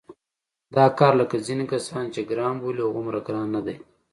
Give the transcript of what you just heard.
دا کار لکه ځینې کسان چې ګران بولي هغومره ګران نه دی.